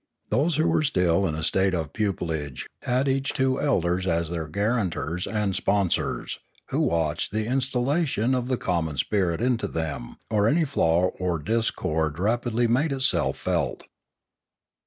Those who were still in a state of pupillage had each two elders as their guarantors and sponsors, who watched the instillation of the common spirit into them, and any flaw or discord rapidly made itself felt.